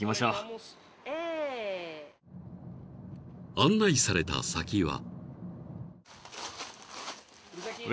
［案内された先は］